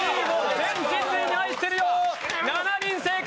全人類に愛してるよ、７人正解。